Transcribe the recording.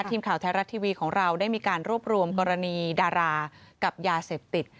ทีมข่าวไทยรัฐทีวีของเราได้มีการรวบรวมกรณีดารากับยาเสพติด